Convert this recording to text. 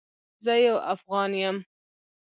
زه یو افغان یم